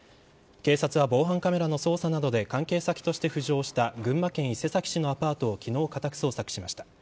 警察は防犯カメラの捜査などで関係先として浮上した群馬県伊勢崎市のアパートを昨日家宅捜索しました。